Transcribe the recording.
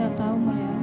saya tidak tahu mbak lea